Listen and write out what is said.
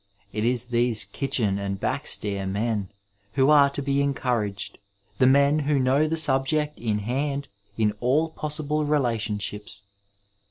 It is these kitchen and backstair men who are to be encouraged, the men who know the subject in hand in all possible relationships.